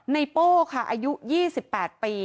โป้ค่ะอายุ๒๘ปี